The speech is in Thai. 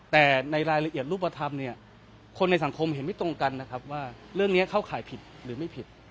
แต่ในรายละเอียดรูปธรรมเนี่ยคนในสังคมเห็นไม่ตรงกันนะครับว่าเรื่องนี้เข้าข่ายผิดหรือไม่ผิด